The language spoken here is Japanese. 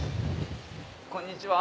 こんにちは。